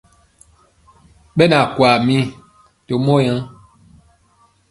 Ɓɛ nɛ akwaa mii to mɔ yaŋ.